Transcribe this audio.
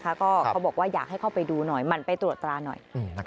เขาบอกว่าอยากให้เข้าไปดูหน่อยหมั่นไปตรวจตราหน่อย